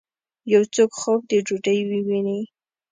یو څوک خوب د ډوډۍ وویني